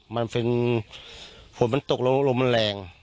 มันเป็นฝนมันตกลงมันแรง